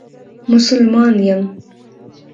مسلمان یم.